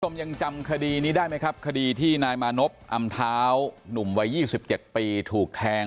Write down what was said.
ยังจำคดีนี้ได้ไหมครับคดีที่นายมานพอำเท้าหนุ่มวัย๒๗ปีถูกแทง